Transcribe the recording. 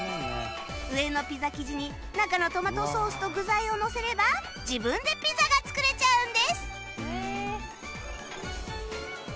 上のピザ生地に中のトマトソースと具材をのせれば自分でピザが作れちゃうんです